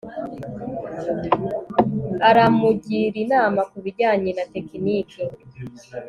Aramugira inama kubijyanye na tekiniki